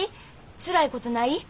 つらいことない？